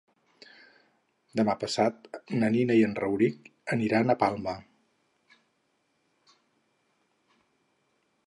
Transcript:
Demà passat na Nina i en Rauric aniran a Palma.